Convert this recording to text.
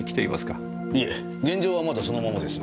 いえ現場はまだそのままです。